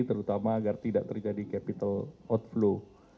terutama agar tidak terjadi capital outflow